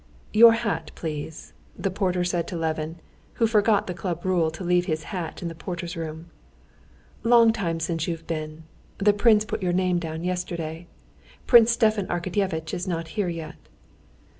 "Your hat, please," the porter said to Levin, who forgot the club rule to leave his hat in the porter's room. "Long time since you've been. The prince put your name down yesterday. Prince Stepan Arkadyevitch is not here yet."